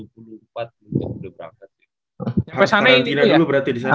karantina dulu berarti disana ya